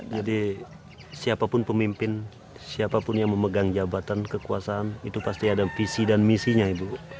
jadi siapapun pemimpin siapapun yang memegang jabatan kekuasaan itu pasti ada visi dan misinya ibu